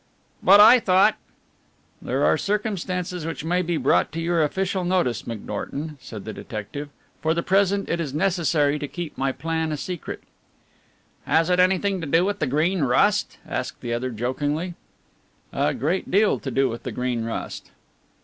"But I thought " "There are circumstances which may be brought to your official notice, McNorton," said the detective, "for the present it is necessary to keep my plan a secret." "Has it anything to do with the Green Rust?" asked the other jokingly. "A great deal to do with the Green Rust."